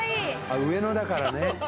・上野だからね・